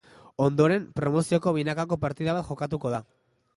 Ondoren, promozioko binakako partida bat jokatuko da.